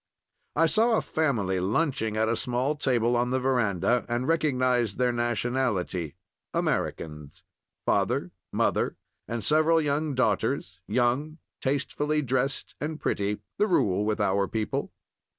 I saw a family lunching at a small table on the veranda, and recognized their nationality—Americans—father, mother, and several young daughters—young, tastefully dressed, and pretty—the rule with our people.